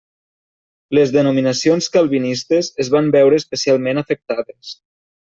Les denominacions calvinistes es van veure especialment afectades.